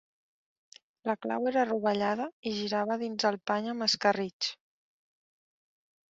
La clau era rovellada i girava dins el pany amb escarritx.